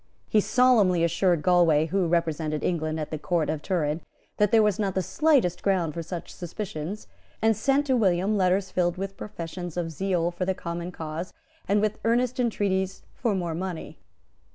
He solemnly assured Galway, who represented England at the Court of Turin, that there was not the slightest ground for such suspicions, and sent to William letters filled with professions of zeal for the common cause, and with earnest entreaties for more money.